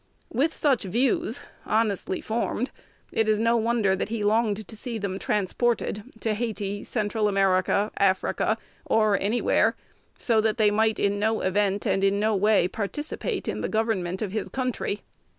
With such views honestly formed, it is no wonder that he longed to see them transported to Hayti, Central America, Africa, or anywhere, so that they might in no event, and in no way, participate in the government of his country.